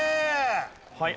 はい。